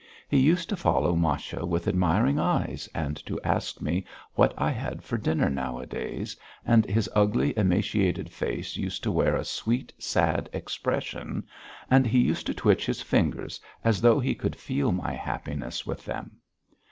He used to follow Masha with admiring eyes, and to ask me what I had for dinner nowadays, and his ugly, emaciated face used to wear a sweet, sad expression, and he used to twitch his fingers as though he could feel my happiness with them.